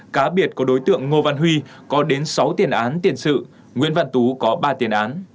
cá biệt có đối tượng ngô văn huy có đến sáu tiền án tiền sự nguyễn văn tú có ba tiền án